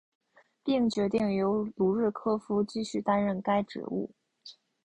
并决定由卢日科夫继续担任该职务。